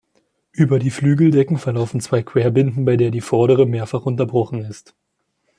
Über die Flügeldecken verlaufen zwei Querbinden, bei der die vordere mehrfach unterbrochen ist.